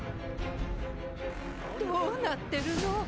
どうなってるの？